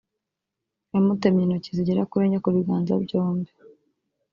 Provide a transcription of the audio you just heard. yamutemye intoki zigera kuri Enye ku biganza byombi